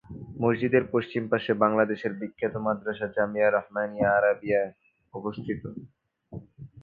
মসজিদের পশ্চিম পাশে বাংলাদেশের বিখ্যাত মাদরাসা জামিয়া রহমানিয়া আরাবিয়া অবস্থিত।